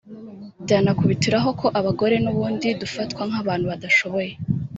byanakubitiraho ko abagore n’ubundi dufatwa nk’abantu badashoboye